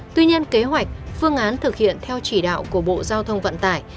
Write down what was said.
tuy nhiên kế hoạch phương án thực hiện theo chỉ đạo của bộ giao thông vận tải